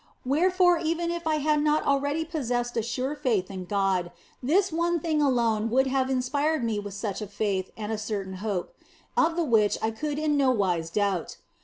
Wherefore even if I had not already possessed a sure faith in God, this one thing alone would have inspired me with such a faith and a certain hope, of the which I could in no wise doubt.